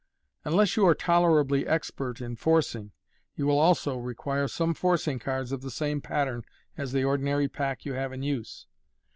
Unless you are tolerably expert in forcing, you will also require some forcing cards of the same pattern as the ordinary pack you have in use.